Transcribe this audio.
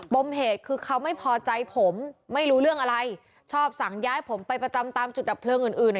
มเหตุคือเขาไม่พอใจผมไม่รู้เรื่องอะไรชอบสั่งย้ายผมไปประจำตามจุดดับเพลิงอื่นอื่น